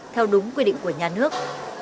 theo đúng quy định của nhà nước